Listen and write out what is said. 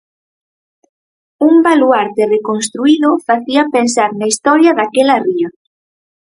Un baluarte reconstruído facía pensar na historia daquela ría.